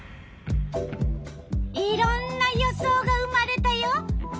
いろんな予想が生まれたよ。